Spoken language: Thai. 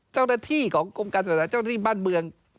เจ้าหน้าที่ของกรมการศาสนาเจ้าหน้าที่บ้านเมือง